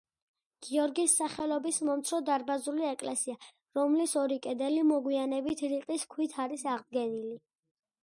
გიორგის სახელობის მომცრო დარბაზული ეკლესია, რომლის ორი კედელი მოგვიანებით რიყის ქვით არის აღდგენილი.